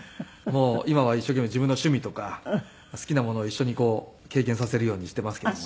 今は一生懸命自分の趣味とか好きなものを一緒にこう経験させるようにしていますけどもね。